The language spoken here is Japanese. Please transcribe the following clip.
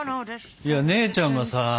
いや姉ちゃんがさ。